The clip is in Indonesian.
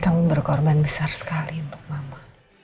kamu berkorban besar sekali untuk mama